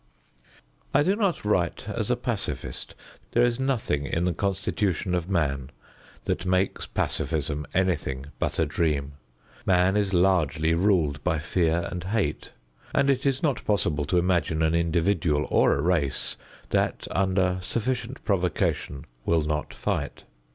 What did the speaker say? I do not write as a pacifist. There is nothing in the constitution of man that makes pacifism anything but a dream. Man is largely ruled by fear and hate, and it is not possible to imagine an individual or a race that under sufficient provocation will not fight.